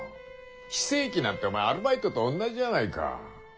非正規なんてお前アルバイトとおんなじじゃないか。